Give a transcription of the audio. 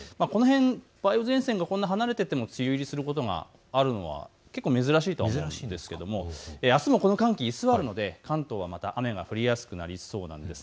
梅雨前線がこんなに離れていても梅雨入りすることがあるのは珍しいとは思うんですけれども、あすもこの寒気、居座るので関東は雨が降りやすくなりそうです。